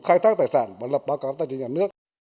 khai thác tài sản và lập báo cáo tài sản cho nhà nước